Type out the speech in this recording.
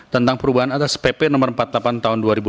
tentang perubahan atas pp no empat puluh delapan tahun dua ribu enam belas